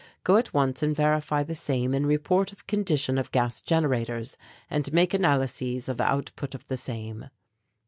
Go at once and verify the same and report of condition of gas generators and make analyses of output of the same.